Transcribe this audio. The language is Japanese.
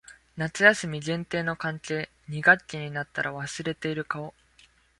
夏休み限定の関係。二学期になったら忘れている顔。